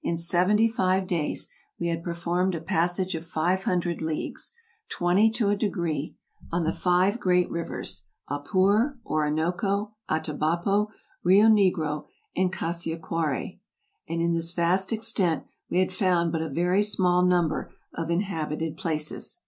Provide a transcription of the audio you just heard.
In seventy five days we had per formed a passage of five hundred leagues — twenty to a de gree— on the five great rivers, Apure, Orinoco, Atabapo, Rio Negro, and Cassiquiare ; and in this vast extent we had found but a very small number of inhabited places.